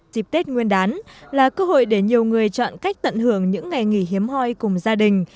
dịp tết nguyên đán là cơ hội để nhiều người chọn cách tận hưởng những ngày nghỉ hiếm hoi cùng gia đình